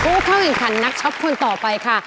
ผู้เข้าแข่งขันนักช็อปคนต่อไปค่ะ